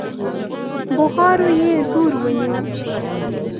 بغارو يې زور ونيو.